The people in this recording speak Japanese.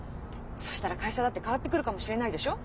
そしたら会社だって変わってくるかもしれないでしょ？